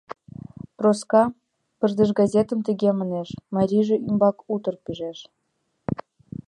— Проска пырдыжгазетым тыге манеш, марийже ӱмбак утыр пижеш.